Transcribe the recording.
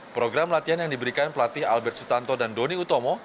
program latihan yang diberikan pelatih albert sutanto dan doni utomo